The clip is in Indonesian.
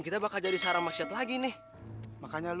kita berdua akan sama sama buat rencana yang lebih gajah